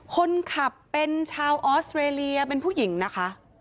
คนขับเป็นชาวออสเตรเลียเป็นผู้หญิงนะคะ